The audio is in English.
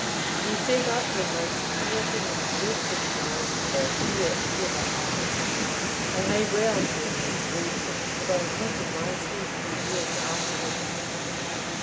He set up the most piercing and dreadful cries that fear ever uttered I may well term them dreadful, for they haunted my sleep for years afterwards.